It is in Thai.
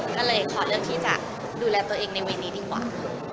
ก็เลยขอเลือกที่จะดูแลตัวเองในเวรนี้ดีกว่า